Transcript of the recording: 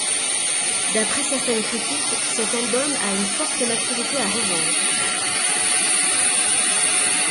D'après certaines critiques, cet album a une forte maturité à revendre.